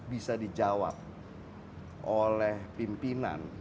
bisa dijawab oleh pimpinan